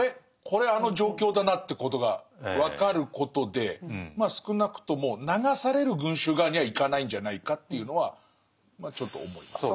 これあの状況だなってことが分かることでまあ少なくとも流される群衆側には行かないんじゃないかっていうのはまあちょっと思います。